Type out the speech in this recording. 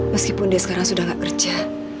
meskipun dia sekarang sudah tidak kerja